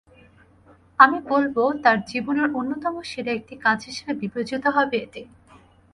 আমি বলব, তাঁর জীবনের অন্যতম সেরা একটি কাজ হিসেবে বিবেচিত হবে এটি।